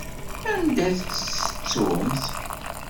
Anda i tt-tettumt?